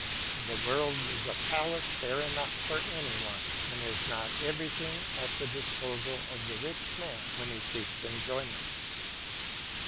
The world is a palace fair enough for any one; and is not everything at the disposal of the rich man when he seeks enjoyment?